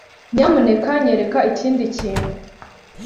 Nyamuneka nyereka ikindi kintu.